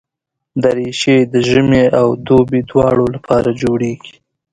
دریشي د ژمي او دوبي دواړو لپاره جوړېږي.